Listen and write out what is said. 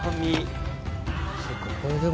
そっかこれでも。